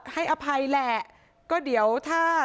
ให้อภัยแหละก็เดี๋ยวถ้า